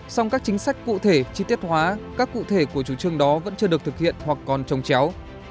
song các chính sách cụ thể chi tiết hóa các cụ thể của chủ trương đó vẫn chưa được thực hiện hoặc còn trồng chéo